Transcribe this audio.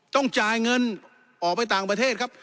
ต้องจ่ายเงินออกไปต่างประเทศครับ